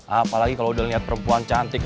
apalagi kalau udah lihat perempuan cantik